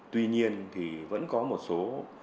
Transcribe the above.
tuy nhiên vẫn có một số